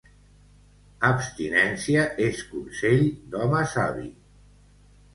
Abstinència és consell d'home savi.